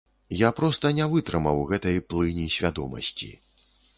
Я проста не вытрымаў гэтай плыні свядомасці.